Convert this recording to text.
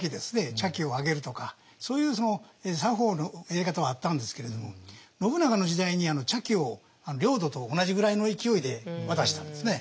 茶器をあげるとかそういうその作法のやり方はあったんですけれども信長の時代に茶器を領土と同じぐらいの勢いで渡したんですね。